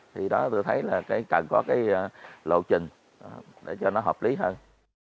thì đó tôi thấy là cần có cái lộ trình để cho nó hợp lý hơn